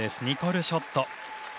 ニコル・ショット。